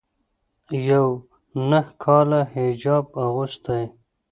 ا نهه کاله حجاب اغوستی